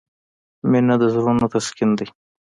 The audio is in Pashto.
• مینه د زړونو تسکین دی.